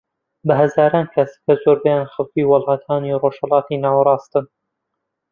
بە هەزاران کەس کە زۆربەیان خەڵکی وڵاتانی ڕۆژهەلاتی ناوەڕاستن